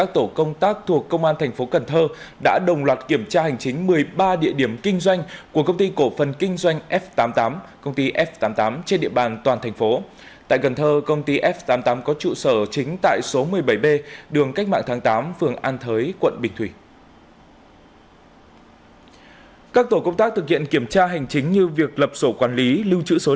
tổ công tác lập biên bản tạm giữ tăng vật